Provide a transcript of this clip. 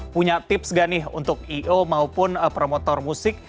punya tips gak nih untuk i o maupun promotor musik